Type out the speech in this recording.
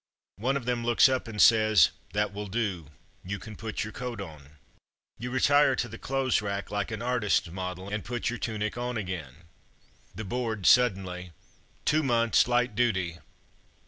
One of them looks up and says, "That will do, you can put your coat on.'' You retire to the clothes rack like an artist's model and put your tunic on again. . The Board, suddenly: "Two months' light duty!"